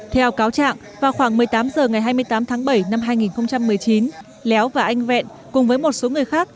theo cáo trạng vào khoảng một mươi tám h ngày hai mươi tám tháng bảy năm hai nghìn một mươi chín léo và anh vẹn cùng với một số người khác